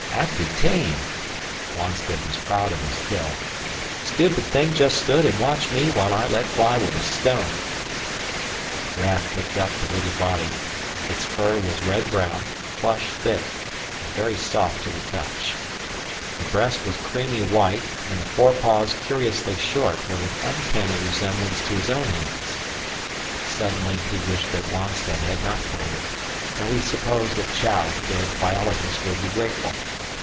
"Acted tame." Wonstead was proud of his kill. "Stupid thing just stood and watched me while I let fly with a stone." Raf picked up the little body. Its fur was red brown, plush thick, and very soft to the touch. The breast was creamy white and the forepaws curiously short with an uncanny resemblance to his own hands. Suddenly he wished that Wonstead had not killed it, though he supposed that Chou, their biologist, would be grateful.